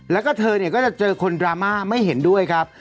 แล้วก็เธอเนี่ยก็จะเจอคนดราม่าไม่เห็นด้วยครับ